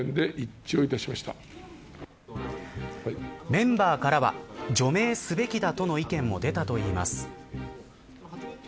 メンバーからは除名すべきだとの意見も出たといいます。